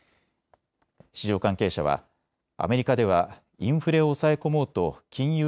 市場関係者はアメリカではインフレを抑え込もうと金融